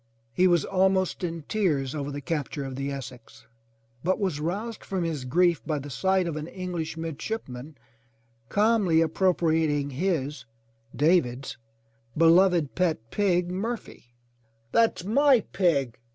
He was almost in tears over the capture of the Essex, but was roused from his grief by the sight of an English midshipman calmly appropriating his — David's — ^beloved pet pig Murphy. "That's my pig!''